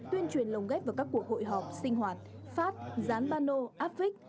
tuyên truyền lồng ghép vào các cuộc hội họp sinh hoạt phát rán bano áp vích